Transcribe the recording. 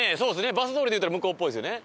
バス通りっていったら向こうっぽいですよね。